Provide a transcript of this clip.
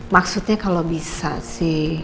maksudnya kalau bisa sih